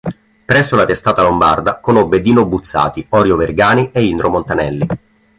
Presso la testata lombarda conobbe Dino Buzzati, Orio Vergani e Indro Montanelli.